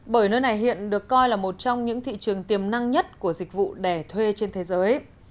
bởi nơi này hiện được coi là một trong những thị trường tiềm năng nhất của dịch vụ đẻ thuê trên thế giới